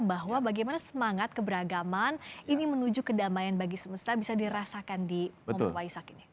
bahwa bagaimana semangat keberagaman ini menuju kedamaian bagi semesta bisa dirasakan di momen waisak ini